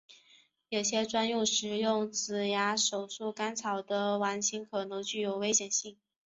有些专门食用紫芽苜蓿干草的莞菁可能具有危险性。